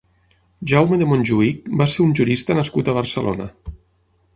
Jaume de Montjuïc va ser un jurista nascut a Barcelona.